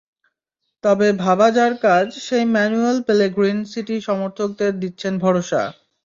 তবে ভাবা যাঁর কাজ, সেই ম্যানুয়েল পেলেগ্রিনি সিটি সমর্থকদের দিচ্ছেন ভরসা।